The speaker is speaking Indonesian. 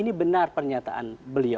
diper kontrol negeri indonesia